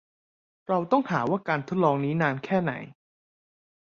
เราต้องหาว่าการทดลองนี้นานแค่ไหน